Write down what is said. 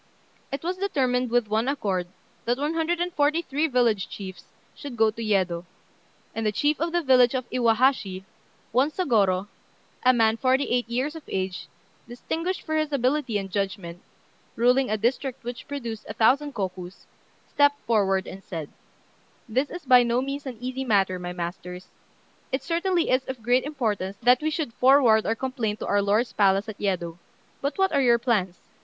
It was determined, with one accord, that one hundred and forty three village chiefs should go to Yedo; and the chief of the village of Iwahashi, one Sôgorô, a man forty eight years of age, distinguished for his ability and judgment, ruling a district which produced a thousand kokus, stepped forward, and said "This is by no means an easy matter, my masters. It certainly is of great importance that we should forward our complaint to our lord's palace at Yedo; but what are your plans?